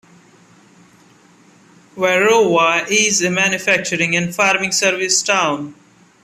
Wairoa is a manufacturing and farming service town.